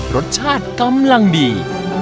รสชาติกำลังดี